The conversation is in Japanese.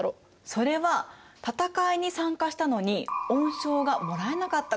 それは戦いに参加したのに恩賞がもらえなかったから。